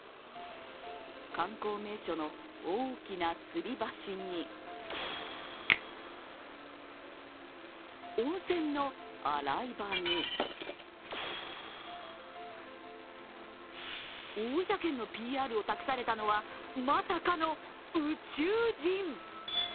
観光名所の大きなつり橋に、温泉の洗い場に大分県のＰＲを託されたのは、まさかの宇宙人。